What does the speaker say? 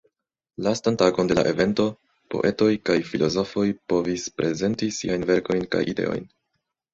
Lastan tagon de la evento poetoj kaj filozofoj povis prezenti siajn verkojn kaj ideojn.